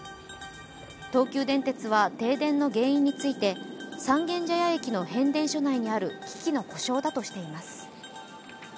東急電鉄は停電の原因について三軒茶屋駅の変電所内にある機器の故障だとしています。